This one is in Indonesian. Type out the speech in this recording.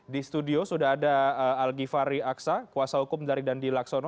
di studio sudah ada algifari aksa kuasa hukum dari dandi laksono